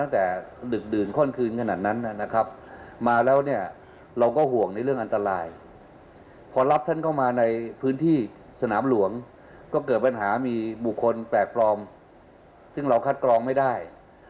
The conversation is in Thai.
ตอนนี้ก็เลยอยากจะขอร้องให้